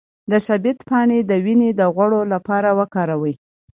د شبت پاڼې د وینې د غوړ لپاره وکاروئ